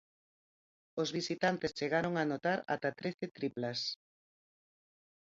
Os visitantes chegaron a anotar ata trece triplas.